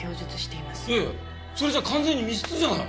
いやいやそれじゃ完全に密室じゃない。